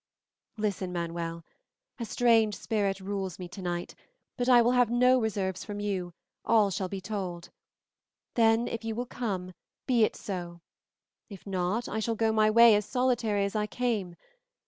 "Listen, Manuel. A strange spirit rules me tonight, but I will have no reserves from you, all shall be told; then, if you will come, be it so; if not, I shall go my way as solitary as I came.